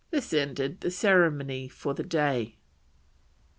This ended the ceremony for the day.